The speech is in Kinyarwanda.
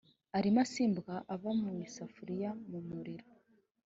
arimo asimbuka ava mu isafuriya mu muriro.